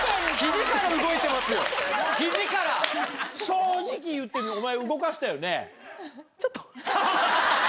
正直言ってみお前動かしたよね？